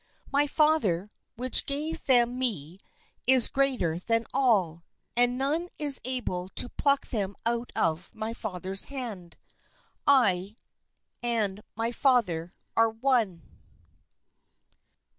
My Father, which gave them me, is greater than all : and none is able to pluck them out of my Father's hand. I and my Father are one.